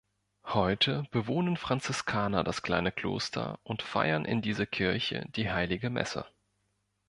Heute bewohnen Franziskaner das kleine Kloster und feiern in dieser Kirche die Heilige Messe.